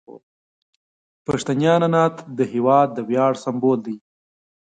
پښتني عنعنات د هیواد د ویاړ سمبول دي.